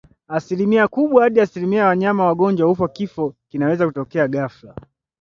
Asilimia kubwa hadi asilimia ya wanyama wagonjwa hufa Kifo kinaweza kutokea ghafla